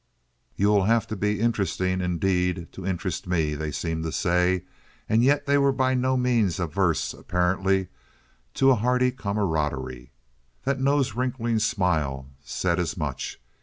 "You will have to be interesting, indeed, to interest me," they seemed to say; and yet they were by no means averse, apparently, to a hearty camaraderie. That nose wrinkling smile said as much.